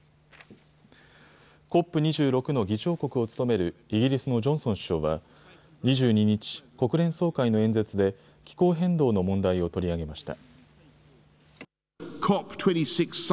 ＣＯＰ２６の議長国を務めるイギリスのジョンソン首相は２２日、国連総会の演説で気候変動の問題を取り上げました。